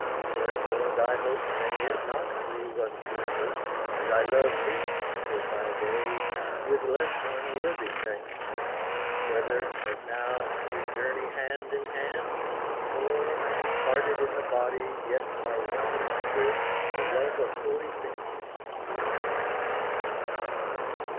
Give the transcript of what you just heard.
Therefore thy hope May yet not prove unfruitful, and thy love Meet, day by day, with less unworthy thanks Whether, as now, we journey hand in hand Or, parted in the body, yet are one In spirit and the love of holy things.